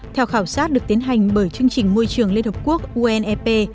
theo khảo sát được tiến hành bởi chương trình môi trường liên hợp quốc unep